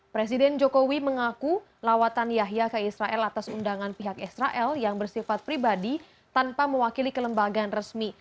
presiden jokowi mengaku lawatan yahya ke israel atas undangan pihak israel yang bersifat pribadi tanpa mewakili kelembagaan resmi